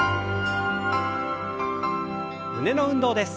胸の運動です。